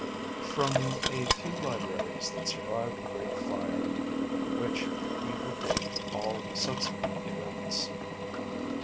"... from a few libraries that survived the Great Fire (from which we will date all subsequent events).